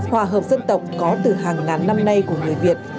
hòa hợp dân tộc có từ hàng ngàn năm nay của người việt